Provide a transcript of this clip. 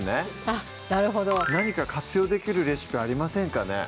あっなるほど何か活用できるレシピありませんかね？